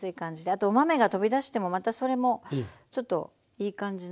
あとお豆が飛び出してもまたそれもちょっといい感じなので。